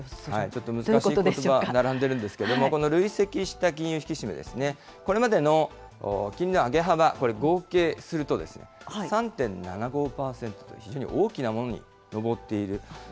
ちょっと難しいことば、並んでいるんですけれども、この累積した金融引き締めですね、これまでの金利の上げ幅、これ合計すると、３．７５％と、非常に大きなものに上っている。